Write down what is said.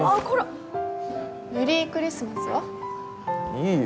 いいよ